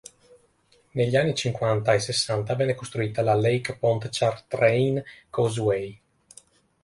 Negli anni cinquanta e sessanta venne costruita la Lake Pontchartrain Causeway.